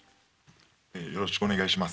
えよろしくお願いします。